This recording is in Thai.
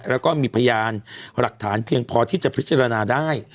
แล้วก็มีพยานหลักฐานเพียงพอที่จะพิจารณาได้